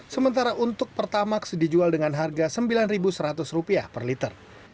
sementara untuk pertamax dijual dengan harga rp sembilan seratus per liter